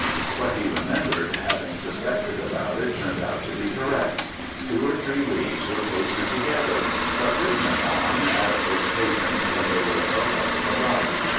What he remembered having suspected about it turned out to be correct. Two or three leaves were pasted together, but written upon, as was patent when they were held up to the light.